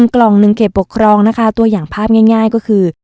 ๑กล่อง๑เขตปกครองตัวอย่างภาพง่ายก็คือ